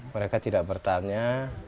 mereka tidak bertanya